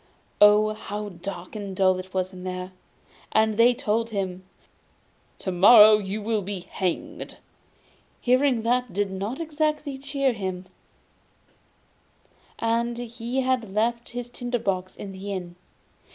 Oh, how dark and dull it was there! And they told him: 'To morrow you are to be hanged.' Hearing that did not exactly cheer him, and he had left his tinder box in the inn.